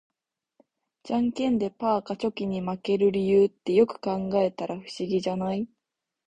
ジャンケンでパーがチョキに負ける理由って、よく考えたら不思議じゃない？